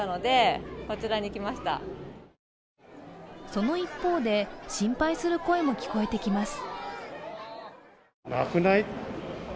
その一方で心配する声も聞こえてきます。